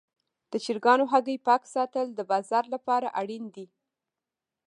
د چرګانو هګۍ پاک ساتل د بازار لپاره اړین دي.